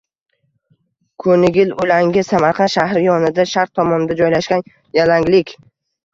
Konigil o‘langi – Samarqand shahri yonida sharq tomonda joylashgan yalanglik.